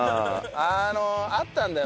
あのあったんだよ。